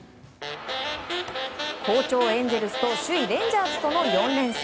好調エンゼルスと首位レンジャーズとの４連戦。